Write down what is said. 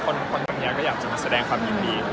คือผมเชื่อว่าก็มีคนอยากจะมาแสดงความยินดี